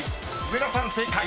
［上田さん正解。